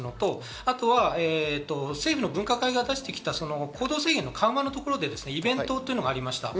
あとは政府の分科会が出してきた行動制限の緩和のところでイベントというのはありました。